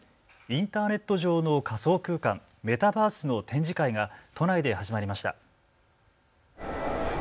インターネット上の仮想空間、メタバースの展示会が都内で始まりました。